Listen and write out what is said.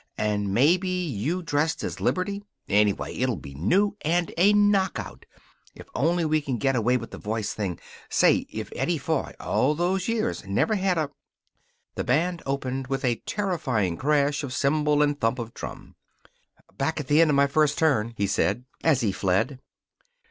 And maybe you dressed as Liberty. Anyway, it'll be new, and a knockout. If only we can get away with the voice thing. Say, if Eddie Foy, all those years never had a " The band opened with a terrifying clash of cymbal and thump of drum. "Back at the end of my first turn," he said as he Red.